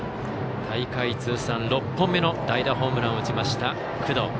大会通算６本目の代打ホームランを打ちました工藤。